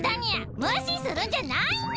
むしするんじゃないにゃ！